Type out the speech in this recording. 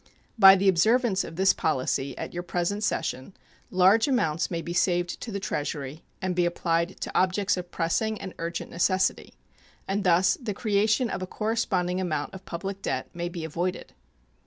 By the observance of this policy at your present session large amounts may be saved to the Treasury and be applied to objects of pressing and urgent necessity, and thus the creation of a corresponding amount of public debt may be avoided.